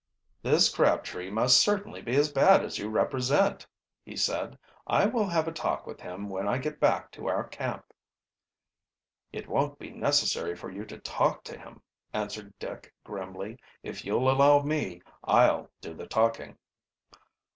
"This Crabtree must certainly be as bad as you represent," he said. "I will have a talk with him when I get back to our camp." "It won't be necessary for you to talk to him," answered Dick grimly. "If you'll allow me, I'll do the talking."